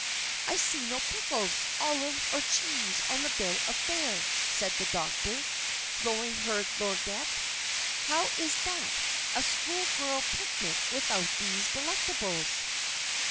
"I see no pickles, olives or cheese on the bill of fare," said the doctor, lowering her lorgnette. "How is that? A schoolgirl picnic without those delectables?"